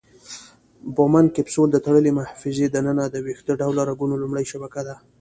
بومن کپسول د تړلې محفظې د ننه د ویښته ډوله رګونو لومړۍ شبکه ده.